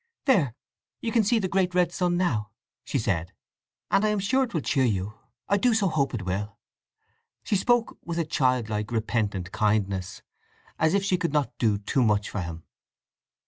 "There—you can see the great red sun now!" she said. "And I am sure it will cheer you—I do so hope it will!" She spoke with a childlike, repentant kindness, as if she could not do too much for him.